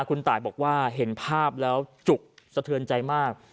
คุณตายบอกว่าเห็นภาพแล้วจุกสะเทือนใจมาก